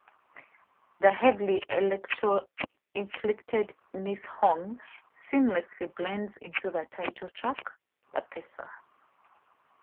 The heavily electro-inflected "Miss Hong", seamlessly blends into the title track, "The Pacer".